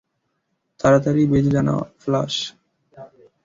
তাড়াতাড়ি বেজে জানাও ফ্লাশ!